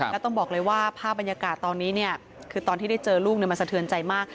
แล้วต้องบอกเลยว่าภาพบรรยากาศตอนนี้คือตอนที่ได้เจอลูกมันสะเทือนใจมาก